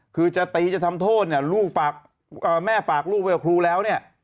คือจะตีจะทำโทษแม่ฝากลูกไปกับครูแล้วเนี่ย